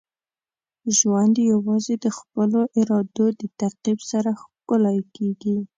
ژوند یوازې د خپلو ارادو د تعقیب سره ښکلی کیږي.